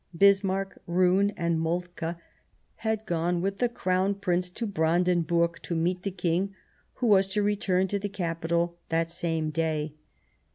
Bismarck, Roon and Moltke had gone with the Crown Prince to Branden burg to meet the King, who was to return to the capital that same day.